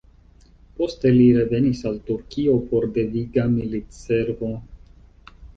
Poste li revenis al Turkio pro deviga militservo.